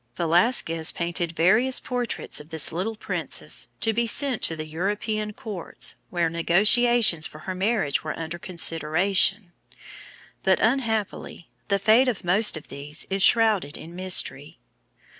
Velasquez painted various portraits of this little princess to be sent to the European courts where negotiations for her marriage were under consideration; but, unhappily, the fate of most of these is shrouded in mystery.